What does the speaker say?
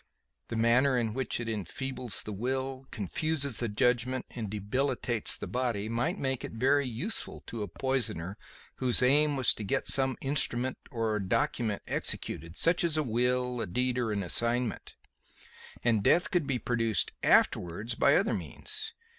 The manner in which it enfeebles the will, confuses the judgment and debilitates the body might make it very useful to a poisoner whose aim was to get some instrument or document executed, such as a will, deed or assignment. And death could be produced afterwards by other means.